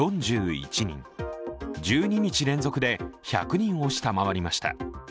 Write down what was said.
１２日連続で１００人を下回りました。